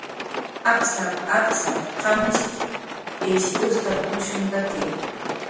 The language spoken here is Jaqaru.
"Apsap"" apsap"" qamishkt"" ish ustatnushuntaki"